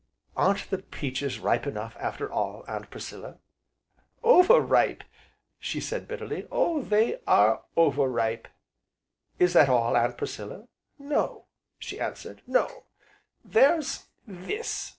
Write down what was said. "Aren't the peaches ripe enough, after all, Aunt Priscilla?" "Over ripe!" she said bitterly, "Oh they are over ripe!" "Is that all, Aunt Priscilla?" "No," she answered, "no, there's this!"